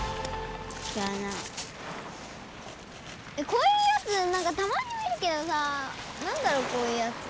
こういうやつなんかたまに見るけどさ何だろうこういうやつ。